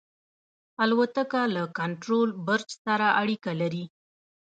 الوتکه له کنټرول برج سره اړیکه لري.